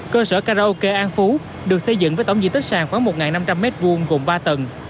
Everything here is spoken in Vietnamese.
cơ sở karaoke an phú được xây dựng với tổng diện tích sàn khoảng một năm trăm linh m hai gồm ba tầng